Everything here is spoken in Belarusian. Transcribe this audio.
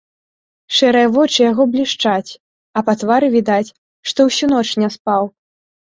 Шэрыя вочы яго блішчаць, а па твары відаць, што ўсю ноч не спаў.